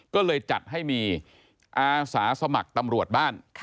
ก็เลยจัดให้มีอาสาสมัครตำรวจบ้าน